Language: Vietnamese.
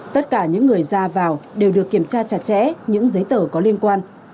tất cả những người ra vào đều được kiểm tra chặt chẽ những giấy tờ có liên quan